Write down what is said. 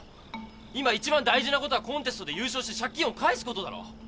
今いちばん大事なことはコンテストで優勝して借金を返すことだろ？